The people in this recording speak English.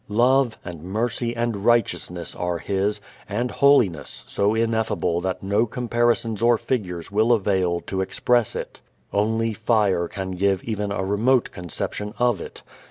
Love and mercy and righteousness are His, and holiness so ineffable that no comparisons or figures will avail to express it. Only fire can give even a remote conception of it.